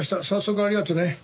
早速ありがとね。